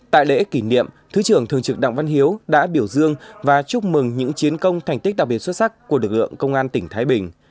tại lễ kỷ niệm thứ trưởng thường trực đặng văn hiếu đã biểu dương và chúc mừng những chiến công thành tích đặc biệt xuất sắc của lực lượng công an tỉnh thái bình